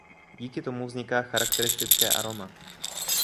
Díky tomu vzniká charakteristické aroma.